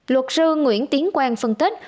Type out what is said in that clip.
luật sư nguyễn tiến quang phân tích